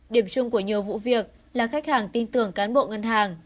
điểm chung của nhiều vụ việc là khách hàng tin tưởng cán bộ ngân hàng